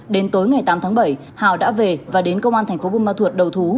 đến tối ngày tám tháng bảy hào đã về và đến công an thành phố buôn ma thuột đầu thú